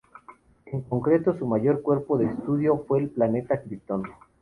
En concreto, su mayor cuerpo de estudio fue el planeta Krypton.